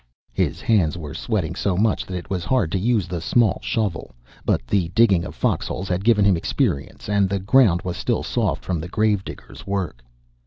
His hands were sweating so much that it was hard to use the small shovel, but the digging of foxholes had given him experience and the ground was still soft from the gravediggers' work.